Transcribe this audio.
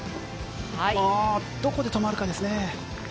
どこで止まるかですね。